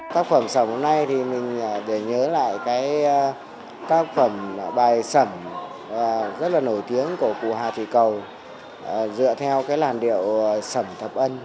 tác phẩm sầm hôm nay thì mình để nhớ lại cái tác phẩm bài sẩm rất là nổi tiếng của cụ hà thị cầu dựa theo cái làn điệu sầm thập ân